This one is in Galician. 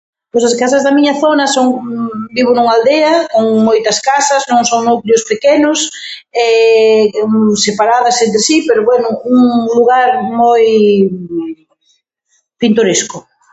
Pois as casas da miña zona son, vivo nunha aldea con moitas casas, non son núcleos pequenos, separadas entre si, pero bueno un lugar moi pintoresco.